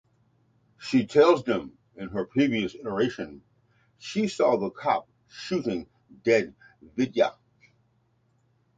She tells them in her previous iteration she saw the cop shooting dead Vidya.